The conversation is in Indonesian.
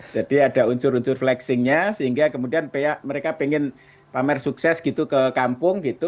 jadi ada unsur unsur flexingnya sehingga kemudian mereka pengen pamer sukses gitu ke kampung gitu